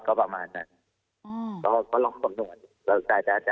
ก็ประมาณนั้นก็ลองคำนวณ